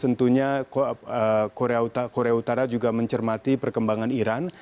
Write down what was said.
tentunya korea utara juga mencermati perkembangan iran